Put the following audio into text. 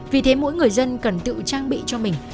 vì thế mỗi người dân cần tự trang bị cho mình